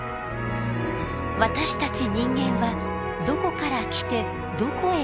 私たち人間はどこから来てどこへ行くのか？